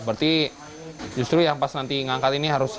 berarti justru yang pas nanti ngangkat ini harus